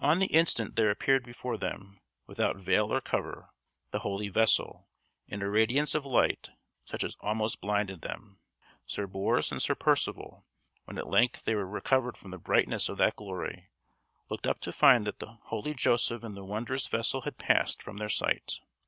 On the instant there appeared before them, without veil or cover, the holy vessel, in a radiance of light such as almost blinded them. Sir Bors and Sir Percivale, when at length they were recovered from the brightness of that glory, looked up to find that the holy Joseph and the wondrous vessel had passed from their sight.